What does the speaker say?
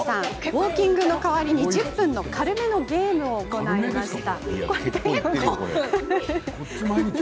ウォーキングの代わりに１０分の軽めのゲームを行いました。